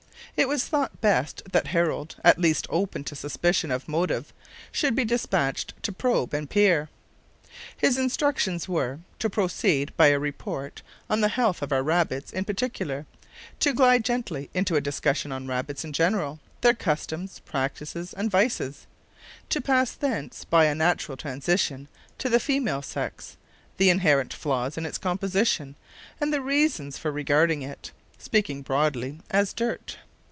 It was thought best that Harold, as least open to suspicion of motive, should be despatched to probe and peer. His instructions were, to proceed by a report on the health of our rabbits in particular; to glide gently into a discussion on rabbits in general, their customs, practices, and vices; to pass thence, by a natural transition, to the female sex, the inherent flaws in its composition, and the reasons for regarding it (speaking broadly) as dirt.